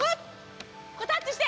これタッチして！